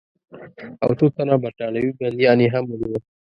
او څو تنه برټانوي بندیان یې هم ونیول.